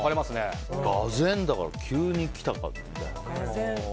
がぜん、だから急に来たかみたいな。